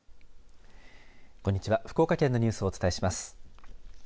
こんにちは福岡県のニュースをお伝えします。